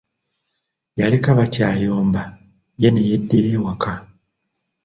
Yaleka bakyayomba ye ne yeddira awaka.